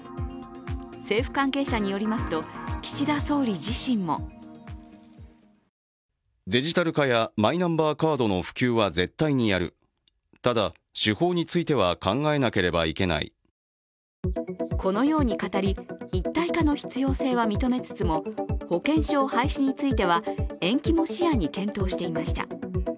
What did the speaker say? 政府関係者によりますと岸田総理自身もこのように語り、一体化の必要性は認めつつも、保険証廃止については延期も視野に検討していました。